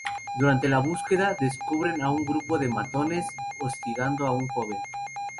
Durante la búsqueda, descubren a un grupo de matones hostigando a un joven.